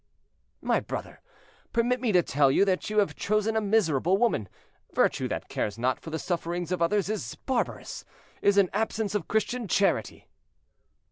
"My brother, permit me to tell you that you have chosen a miserable woman. Virtue that cares not for the sufferings of others is barbarous—is an absence of Christian charity."